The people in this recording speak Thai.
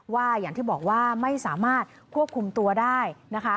อย่างที่บอกว่าไม่สามารถควบคุมตัวได้นะคะ